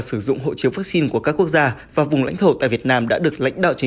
sử dụng hộ chiếu vaccine của các quốc gia và vùng lãnh thổ tại việt nam đã được lãnh đạo chế